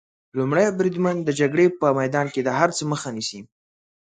لومړی بریدمن د جګړې په میدان کې د هر څه مخه نیسي.